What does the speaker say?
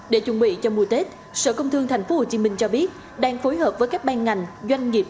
để chuẩn bị cho mùa tết sở công thương tp hcm cho biết đang phối hợp với các ban ngành doanh nghiệp